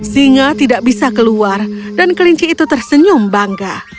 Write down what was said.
singa tidak bisa keluar dan kelinci itu tersenyum bangga